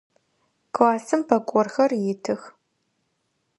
Классым пӏэкӏорхэр итых.